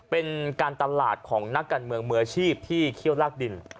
เป็นการตลาดของนักการเมืองมืออาชีพที่เคี่ยวลากดิน